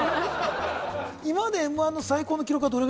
今までＭ−１の最高の記録はどれ